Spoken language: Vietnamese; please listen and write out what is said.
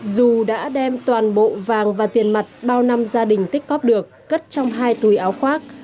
dù đã đem toàn bộ vàng và tiền mặt bao năm gia đình tích cóp được cất trong hai túi áo khoác